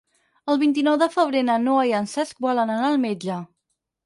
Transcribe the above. El vint-i-nou de febrer na Noa i en Cesc volen anar al metge.